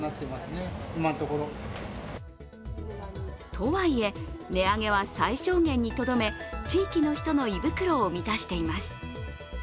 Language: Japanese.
とはいえ値上げは最小限にとどめ地域の人の胃袋を満たしています。